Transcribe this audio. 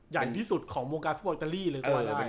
ใหญ่ที่สุดของโมงการฟิโบราตาลีเลยกว่าอะไร